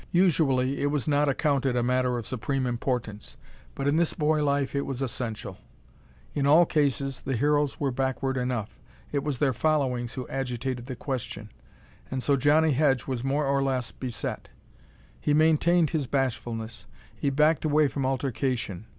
Usually it was not accounted a matter of supreme importance, but in this boy life it was essential. In all cases the heroes were backward enough. It was their followings who agitated the question. And so Johnnie Hedge was more or less beset. He maintained his bashfulness. He backed away from altercation.